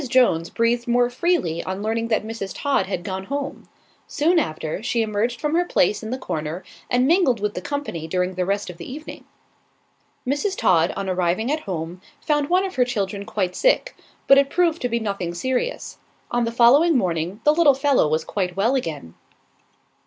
Jones, breathed more freely on learning that Mrs. Todd had gone home. Soon after, she emerged from her place in the corner, and mingled with the company during the rest of the evening. Mrs. Todd, on arriving at home, found one of her children quite sick; but it proved to be nothing serious. On the following morning, the little fellow was quite well again.